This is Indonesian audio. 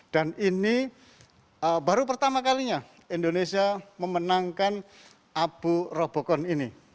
dan ini baru pertama kalinya indonesia memenangkan abu robocon ini